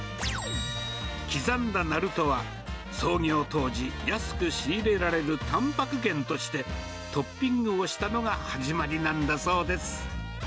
刻んだナルトは、創業当時、安く仕入れられるたんぱく源として、トッピングをしたのが始まりなんだそうです。